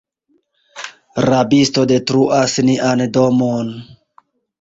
Rabisto detruas nian domon!